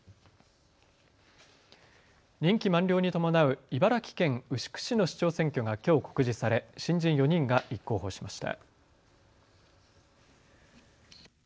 任期満了に伴う茨城県牛久市の市長選挙がきょう告示され新人４人が立候補しました。